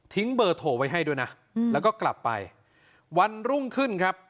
เบอร์โทรไว้ให้ด้วยนะแล้วก็กลับไปวันรุ่งขึ้นครับ